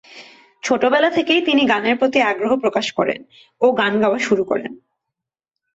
ছোটবেলা থেকেই তিনি গানের প্রতি আগ্রহ প্রকাশ করেন ও গান গাওয়া শুরু করেন।